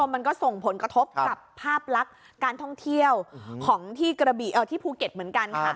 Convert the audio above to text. มันก็ส่งผลกระทบกับภาพลักษณ์การท่องเที่ยวของที่ภูเก็ตเหมือนกันค่ะ